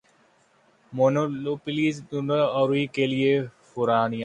منینولوپس Minnesota Aruvi California